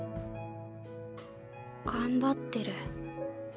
頑張ってる。